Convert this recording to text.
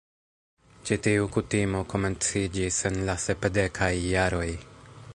Ĉi-tiu kutimo komenciĝis en la sepdekaj jaroj.